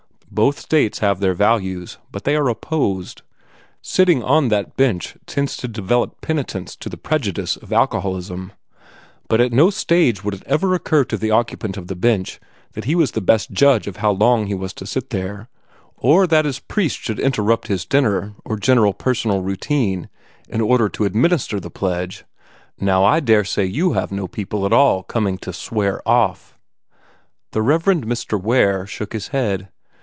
Both states have their values, but they are opposed. Sitting on that bench tends to develop penitence to the prejudice of alcoholism. But at no stage would it ever occur to the occupant of the bench that he was the best judge of how long he was to sit there, or that his priest should interrupt his dinner or general personal routine, in order to administer that pledge. Now, I daresay you have no people at all coming to 'swear off.'" The Rev. Mr. Ware shook his head.